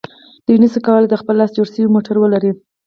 دوی نشي کولای د خپل لاس جوړ شوی موټر ولري.